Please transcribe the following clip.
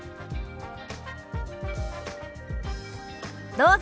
どうぞ。